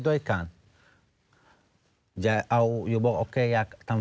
มีใครต้องจ่ายค่าคุมครองกันทุกเดือนไหม